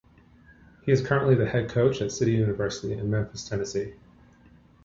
He is currently the head coach at City University in Memphis, Tennessee.